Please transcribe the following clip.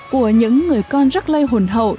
của những người con rắc lây hồn hậu